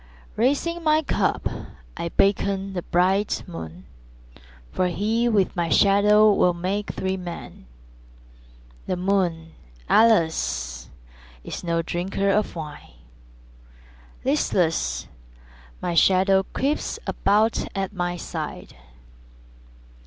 Raising my cup I beckon the bright moon, For he, with my shadow, will make three men. The moon, alas, is no drinker of wine; Listless, my shadow creeps about at my side.